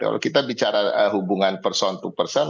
kalau kita bicara hubungan person to person